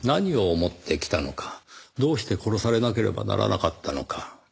どうして殺されなければならなかったのか。